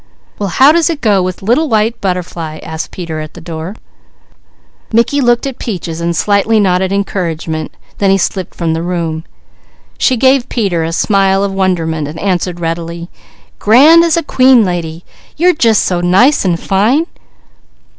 "Well how goes it with the Little White Butterfly?" asked Peter at the door. Mickey looked at Peaches to slightly nod encouragement, then he slipped from the room. She gave Peter a smile of wonderment and answered readily: "Grand as queen lady. You're jus' so nice and fine."